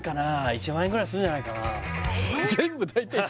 １万円ぐらいするんじゃないかなえっ！？